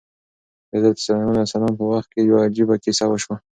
د حضرت سلیمان علیه السلام په وخت کې یوه عجیبه کیسه وشوه.